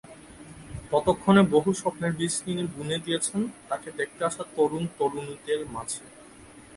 ততক্ষণে বহু স্বপ্নের বীজ তিনি বুনে দিয়েছেন তাঁকে দেখতে আসা তরুণ-তরুণীদের মাঝে।